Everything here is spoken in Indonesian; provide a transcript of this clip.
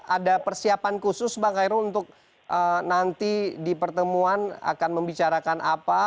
ada persiapan khusus bang kairul untuk nanti di pertemuan akan membicarakan apa